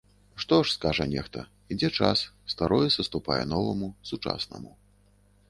Што ж, скажа нехта, ідзе час, старое саступае новаму, сучаснаму.